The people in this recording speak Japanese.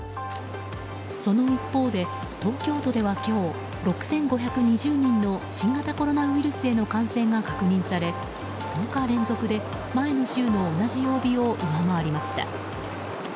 その一方で東京都では今日６５２０人の新型コロナウイルスへの感染が確認され１０日連続で前の週の同じ曜日を上回りました。